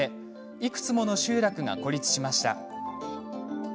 いくつもの集落が孤立しました。